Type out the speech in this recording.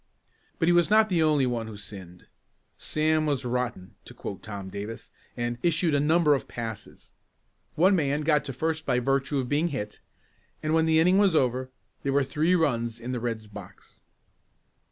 But he was not the only one who sinned. Sam was "rotten," to quote Tom Davis, and "issued a number of passes." One man got to first by virtue of being hit and when the inning was over there were three runs in the Red's box.